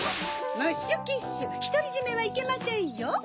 ムッシュ・キッシュひとりじめはいけませんよ！